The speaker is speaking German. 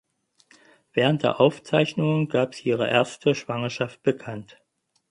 Während der Aufzeichnungen gab sie ihre erste Schwangerschaft bekannt.